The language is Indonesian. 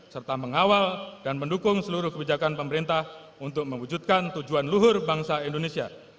serta mengawal dan mendukung seluruh kebijakan pemerintah untuk mewujudkan tujuan luhur bangsa indonesia